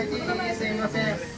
すみません。